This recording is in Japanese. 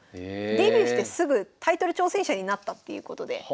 デビューしてすぐタイトル挑戦者になったっていうことで。